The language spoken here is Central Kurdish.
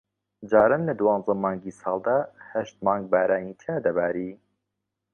جاران لە دوانزە مانگی ساڵدا ھەشت مانگ بارانی تیا دەباری